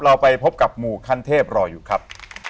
เราไปพบกับหมู่ขั้นเทพรออยู่ครับ